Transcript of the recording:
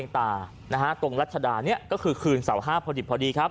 ตรงรัชดานี้ก็คือคืนเสาร์๕พอดิบพอดีครับ